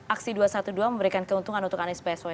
aksi dua ratus dua belas memberikan keuntungan untuk anies baswedan